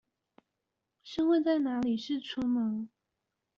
是會在哪裡釋出呢?